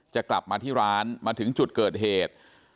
จะกลับมาที่ร้านมาถึงจุดเกิดเหตุ